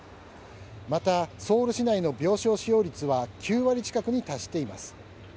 また、ソウル市内の病床使用率は９割近くに達しています。